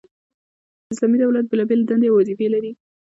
اسلامي دولت بيلابېلي دندي او وظيفي لري،